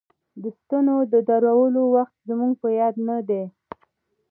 د ستنو د درولو وخت زموږ په یاد نه دی.